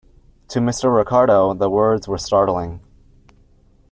To Mr. Ricardo the words were startling.